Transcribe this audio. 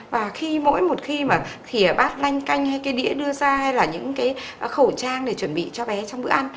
và khi mỗi một khi mà thì bát lanh canh hay cái đĩa đưa ra hay là những cái khẩu trang để chuẩn bị cho bé trong bữa ăn